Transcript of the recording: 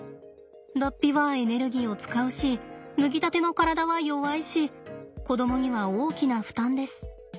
脱皮はエネルギーを使うし脱ぎたての体は弱いし子どもには大きな負担です。